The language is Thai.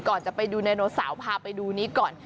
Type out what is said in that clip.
ก่อนจะไปดูไดโนเสาร์พาไปดูนี้ก่อน